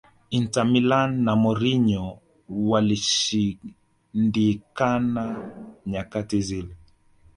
Inter Milan na Mourinho walishindikana nyakati zile